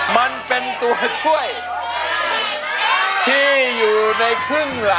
แผ่นที่๔นะฮะ